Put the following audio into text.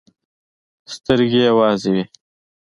سترګې يې وازې وې.